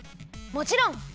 もちろん！